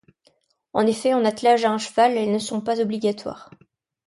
En effet, en attelage à un cheval, elles ne sont pas obligatoires.